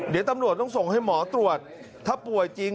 เดี๋ยวตำรวจต้องส่งให้หมอตรวจถ้าป่วยจริง